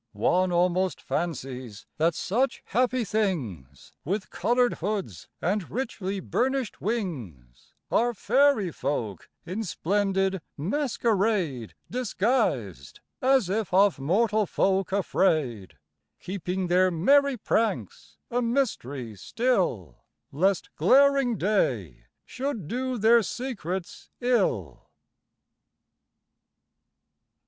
One almost fancies that such happy things, With coloured hoods and richly burnished wings, Are fairy folk, in splendid masquerade Disguised, as if of mortal folk afraid, Keeping their merry pranks a mystery still, Lest glaring day should do their secrets ill.